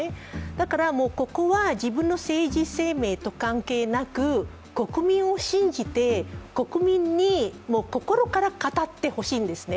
だからここは自分の政治生命と関係なく国民を信じて国民に心から語ってほしいんですね。